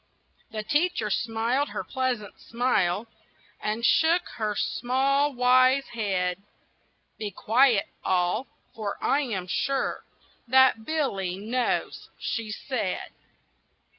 The teacher smiled her pleasant smile, And shook her small, wise head. "Be quiet, all! for I am sure That Billy knows!" she said.